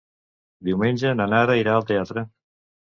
Diumenge na Nara irà al teatre.